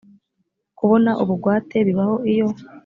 kubona ubugwate bibaho iyo